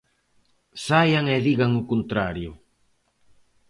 Saian e digan o contrario.